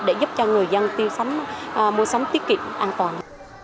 để giúp cho người dân mua sắm tiết kiệm an toàn